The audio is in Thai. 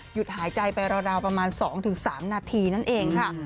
หายใจไปราวประมาณ๒๓นาทีนั่นเองค่ะ